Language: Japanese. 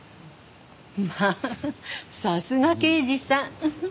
まあさすが刑事さん。